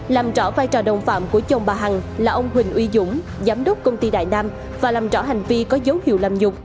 làm rõ vai trò đồng phạm của chồng bà hằng là ông huỳnh uy dũng giám đốc công ty đại nam và làm rõ hành vi có dấu hiệu làm nhục